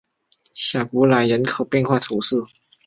小普莱朗人口变化图示